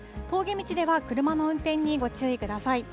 峠道では車の運転にご注意ください。